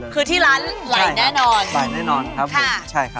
คือที่ร้านไหลแน่นอนครับผมใช่ครับ